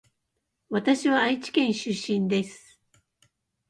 わたしは愛知県出身です